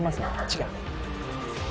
違う！